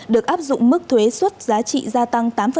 được áp dụng mức thuế xuất giá trị gia tăng tám